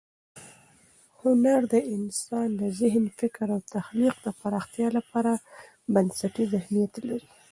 هنر د انسان د ذهن، فکر او تخلیق د پراختیا لپاره بنسټیز اهمیت لري.